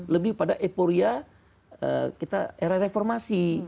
lebih pada eporia kita era reformasi